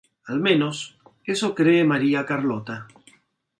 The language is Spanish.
Al menos, eso cree María Carlota.